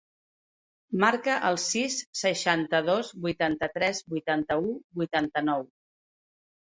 Marca el sis, seixanta-dos, vuitanta-tres, vuitanta-u, vuitanta-nou.